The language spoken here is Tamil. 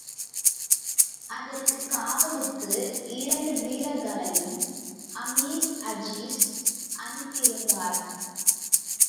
அதற்குக் காவலுக்கு இரண்டு வீரர்களையும் அமீர் அஜீஸ் அனுப்பியிருந்தார்.